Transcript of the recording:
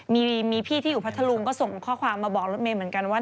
มีพี่ที่อยู่พัทธรุงก็ส่งข้อความมาบอกรถเมย์เหมือนกันว่า